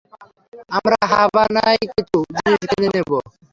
আমরা হাভানায় কিছু জিনিস কিনে নেব।